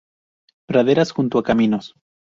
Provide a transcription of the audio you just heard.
Praderas, junto a caminos.